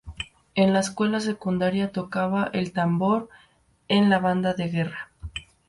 En la escuela secundaria, tocaba el tambor en la banda de guerra.